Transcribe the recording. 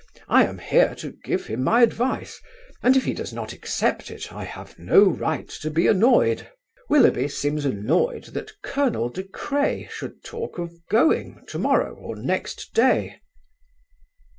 I am here to give him my advice, and if he does not accept it I have no right to be annoyed. Willoughby seems annoyed that Colonel De Craye should talk of going to morrow or next day."